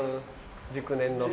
熟年の。